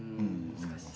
難しい。